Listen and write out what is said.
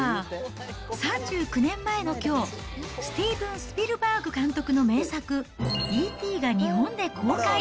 ３９年前のきょう、スティーブン・スピルバーグ監督の名作、Ｅ．Ｔ．が日本で公開。